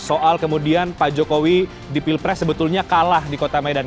soal kemudian pak jokowi di pilpres sebetulnya kalah di kota medan